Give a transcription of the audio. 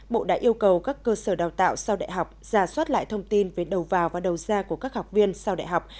bộ đã yêu cầu các cơ sở đào tạo sau đại học giả soát lại thông tin về đầu vào và đầu ra của các học viên sau đại học